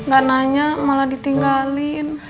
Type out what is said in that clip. gak nanya malah ditinggalin